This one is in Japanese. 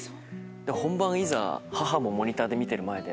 本番いざ母もモニターで見てる前で。